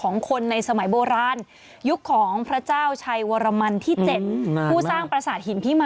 นำก้อนหินออกไป